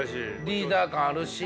リーダー感あるし。